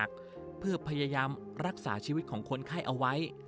อย่างหนักเพื่อพยายามรักษาชีวิตของคนไข้เอาไว้